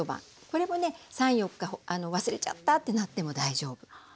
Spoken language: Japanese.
これもね３４日忘れちゃったってなっても大丈夫。